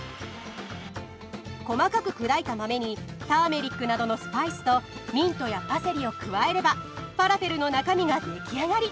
細かく砕いた豆にターメリックなどのスパイスとミントやパセリを加えればファラフェルの中身が出来上がり。